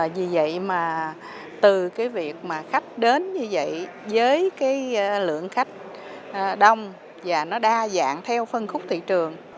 vì vậy từ việc khách đến với lượng khách đông và đa dạng theo phân khúc thị trường